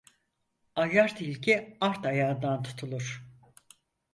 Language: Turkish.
Ayyar tilki art ayağından tutulur.